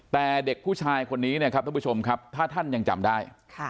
แต่เด็กผู้ชายคนนี้เนี่ยครับท่านผู้ชมครับถ้าท่านยังจำได้